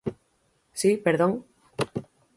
¿Si?, ¿perdón?